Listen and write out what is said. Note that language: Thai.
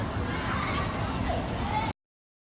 สวัสดีสวัสดี